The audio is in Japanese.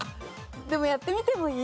でもやってみてもいい？